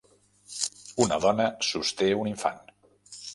Una dona sosté un infant.